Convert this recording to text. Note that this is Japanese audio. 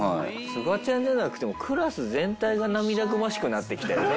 すがちゃんじゃなくてもクラス全体が涙ぐましくなってきたよね。